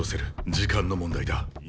時間の問題だ。